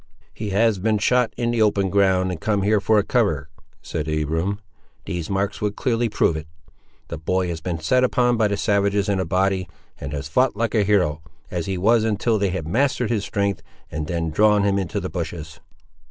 "He has been shot in the open ground and come here for a cover," said Abiram; "these marks would clearly prove it. The boy has been set upon by the savages in a body, and has fou't like a hero as he was, until they have mastered his strength, and then drawn him to the bushes."